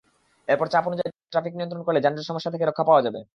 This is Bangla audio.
এরপর চাপ অনুযায়ী ট্রাফিক নিয়ন্ত্রণ করলে যানজট সমস্যা থেকে রক্ষা পাওয়া যাবে।